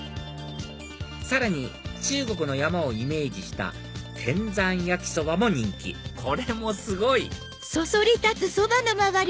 さらに中国の山をイメージした天山焼きそばも人気これもすごい！